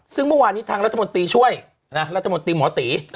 ซึ่งเมื่อวานนี้ทางรัฐมนตรีช่วยรัฐมนตรีหมอตี